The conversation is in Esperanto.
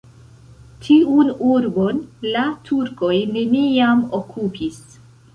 Tiun urbon la turkoj neniam okupis.